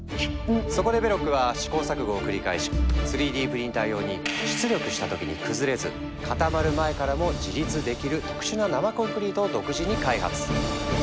そこでベロックは試行錯誤を繰り返し３Ｄプリンター用に出力した時に崩れず固まる前からも自立できる特殊な生コンクリートを独自に開発。